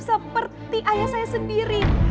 seperti ayah saya sendiri